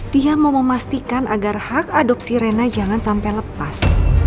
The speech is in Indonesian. dia mau memastikan agar hak adopsi rena jangan sampai lepas